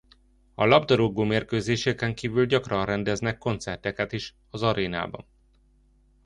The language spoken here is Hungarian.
A labdarúgó mérkőzéseken kívül gyakran rendeznek koncerteket is az arénában.